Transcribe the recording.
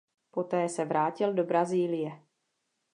Poté se vrátil do Brazílie.